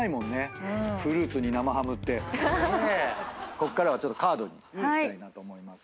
こっからはカードにいきたいなと思います。